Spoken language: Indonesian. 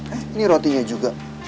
eh ini rotinya juga